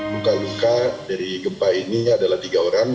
luka luka dari gempa ini adalah tiga orang